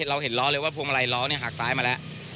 เราเห็นล้อเลยว่าพวงมาลัยล้อหักซ้ายมาแล้ว